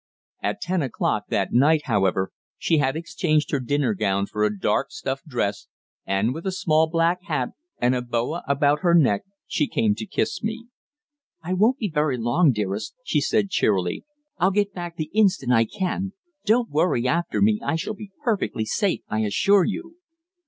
At ten o'clock that night, however, she had exchanged her dinner gown for a dark stuff dress, and, with a small black hat, and a boa about her neck, she came to kiss me. "I won't be very long, dearest," she said cheerily. "I'll get back the instant I can. Don't worry after me. I shall be perfectly safe, I assure you."